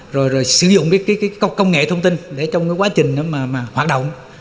rồi sử dụng cái công nghệ thông tin để trong cái quá trình hoạt động